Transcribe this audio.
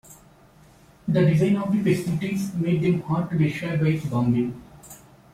The design of the facilities made them hard to destroy by bombing.